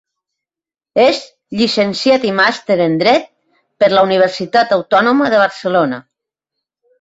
És llicenciat i Màster en Dret per la Universitat Autònoma de Barcelona.